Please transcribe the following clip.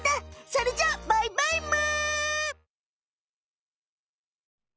それじゃあバイバイむ！